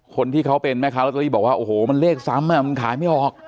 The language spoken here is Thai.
คนที่เขาเป็นแม่ค้าลอตเตอรี่บอกว่าโอ้โหมันเลขซ้ำมันขายไม่ออก